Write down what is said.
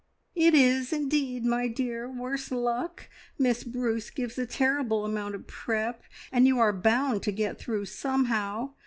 "It is indeed, my dear, worse luck! Miss Bruce gives a terrible amount of prep, and you are bound to get through somehow.